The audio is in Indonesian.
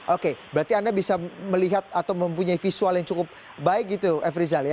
oke berarti anda bisa melihat atau mempunyai visual yang cukup baik gitu f rizal ya